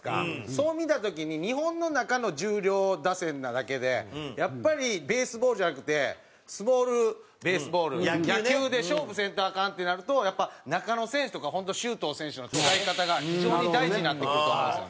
そう見た時に日本の中の重量打線なだけでやっぱりベースボールじゃなくてスモールベースボール野球で勝負せんとアカンってなるとやっぱ中野選手とか本当周東選手の使い方が非常に大事になってくると思うんですよね。